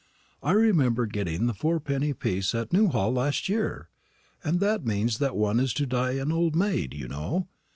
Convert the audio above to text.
I remember getting the fourpenny piece at Newhall last year. And that means that one is to die an old maid, you know.